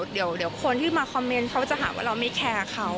เดี๋ยวคนที่มาคอมเมนต์เขาจะหาว่าเราไม่แคร์เขา